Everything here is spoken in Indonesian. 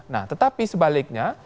nah tetapi sebaliknya